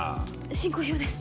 進行表です